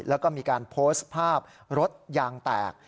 แล้วก็มีการโพสต์ภาพรถยางแตก